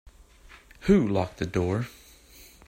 Who locked the door?